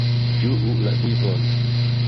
Ĝuu la vivon!